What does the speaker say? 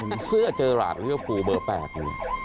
เบอร์๘เหมือนกัน